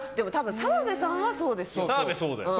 澤部さんはそうですね。